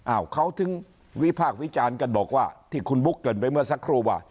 เขาถึงวิพากษ์วิจารณ์กันบอกว่าที่คุณบุ๊คเกินไปเมื่อสักครู่ว่า